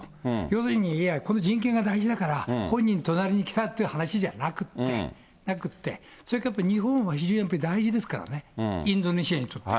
要するに人権が大事だから、本人となりに来たって話じゃなくって、なくって、それとか日本はやっぱり大事ですからね、インドネシアにとって。